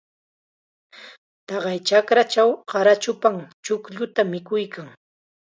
Taqay chakrachaw qarachupam chuqlluta mikuykan.